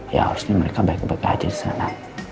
ya harusnya mereka baik baik aja di sana